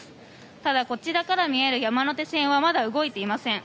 ただ、こちらから見える山手線はまだ動いていません。